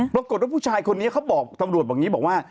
ปรากฏว่าผู้ชายคนนี้เขาบอกตำรวจบอกอย่างนี้บอกว่า